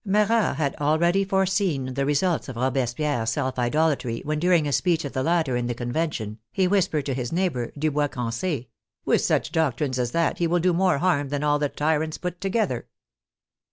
Marat had already foreseen the results of Robespierre's self idol atry, when during a speech of the latter in the Conven tion, he whispered to his neighbor, Dubois Crance, —" With such doctrines as that, he will do more harm than all the tyrants put together."